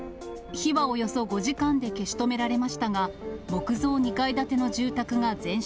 火はおよそ５時間で消し止められましたが、木造２階建ての住宅が全焼。